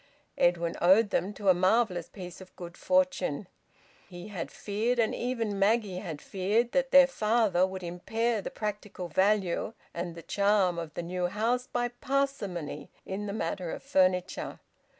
Edwin owed them to a marvellous piece of good fortune. He had feared, and even Maggie had feared, that their father would impair the practical value and the charm of the new house by parsimony in the matter of furniture.